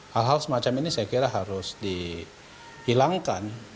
hal hal semacam ini saya kira harus dihilangkan